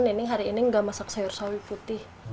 nini hari ini gak masak sayur sawi putih